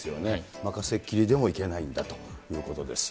任せっきりでもいけないんだということです。